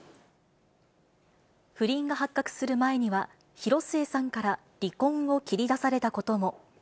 不倫が発覚する前には、広末さんから離婚を切り出されたことも。